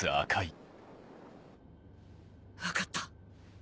分かった。